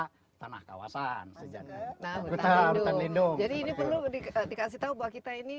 saya sudah menulis wajahnya dalam hidup saya tentang politik